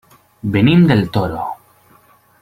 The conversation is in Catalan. Venim del Toro.